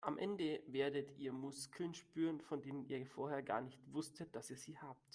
Am Ende werdet ihr Muskeln spüren, von denen ihr vorher gar nicht wusstet, dass ihr sie habt.